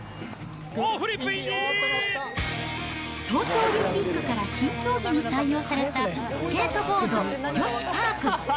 東京オリンピックから新競技に採用されたスケートボード女子パーク。